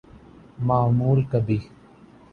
معمول کبھی ‘‘۔